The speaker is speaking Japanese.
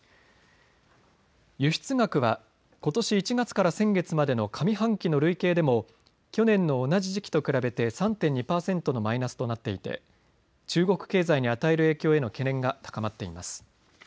輸出額はことし１月から先月までの上半期の累計でも去年の同じ時期と比べて３．２％のマイナスとなっていて中国経済に与える影響への懸念が高まっています。